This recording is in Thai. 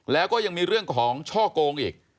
แล้วก็ยังมีเรื่องของช่อโกงอีก